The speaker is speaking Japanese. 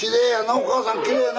お母さんきれいやな。